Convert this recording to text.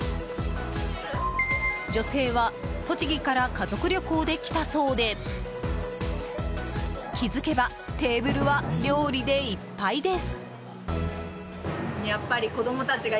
女性は栃木から家族旅行で来たそうで気づけば、テーブルは料理でいっぱいです。